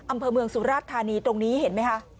อำเภอเมืองสุราชธานีตรงนี้เห็นไหมคะ